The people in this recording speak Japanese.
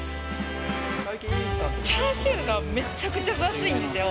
チャーシューがめちゃくちゃ分厚いんですよ。